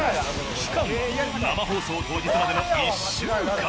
期間は生放送当日までの１週間。